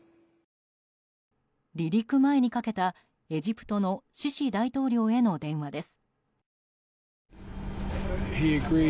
離陸前にかけた、エジプトのシシ大統領への電話です。